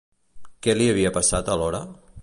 Què li havia passat alhora?